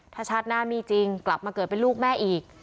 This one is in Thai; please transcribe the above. ถ้าชาติหน้ามีจริงกลับมาเกิดเป็นลูกแม่อีก